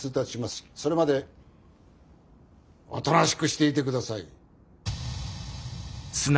それまでおとなしくしていて下さい。